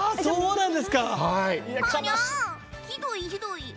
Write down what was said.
ひどいひどい！